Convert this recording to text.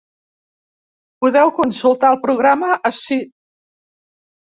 Podeu consultar el programa ací.